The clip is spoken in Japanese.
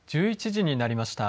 １１時になりました。